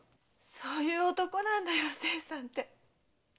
そういう男なんだよ清さんて。